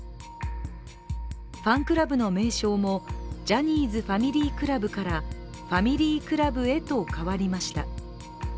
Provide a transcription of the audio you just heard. ファンクラブの名称もジャニーズファミリークラブからファミリークラブへと変わりました。